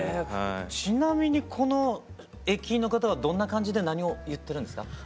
ちなみにこの駅員の方はどんな感じで何を言ってるんですか？